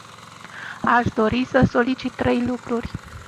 Aș dori să solicit trei lucruri.